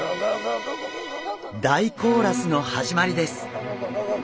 大コーラスの始まりです。